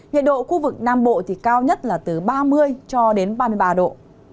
nhiệt độ khu vực nam bộ thì cao nhất là từ ba mươi cho đến ba mươi ba độ